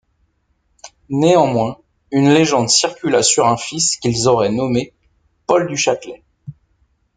Néanmoins, une légende circula sur un fils qu'ils auraient nommé Paul du Châtelet.